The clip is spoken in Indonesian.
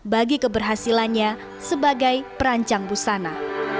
bagi keberhasilannya sebagai perancang busana